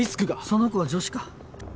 その子は女子か？